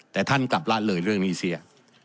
แต่ท่านกลับละเลยเรื่องนี้เสีย